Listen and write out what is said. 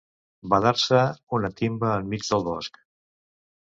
Badar-se una timba enmig del bosc.